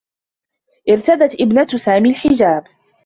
ارتدت ابنة سامي الحجاب.